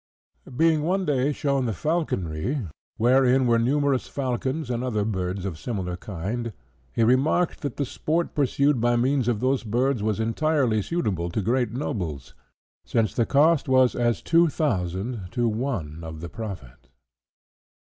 Being one day shown the Falconry, wherein were numerous falcons and other birds of similar kind, he remarked that the sport pursued by means of those birds was entirely suitable to great nobles, since the cost was as two thousand to one of the profit.